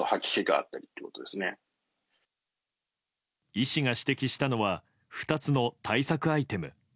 医師が指摘したのは２つの対策アイテム。